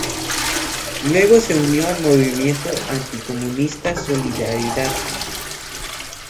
Luego se unió al movimiento anticomunista Solidaridad.